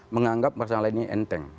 menganggap masalah ini enteng